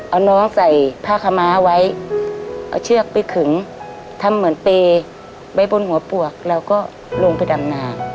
เอาน้องใส่ผ้าขม้าไว้เอาเชือกไปขึงทำเหมือนเปย์ไปบนหัวปวกแล้วก็ลงไปดำนา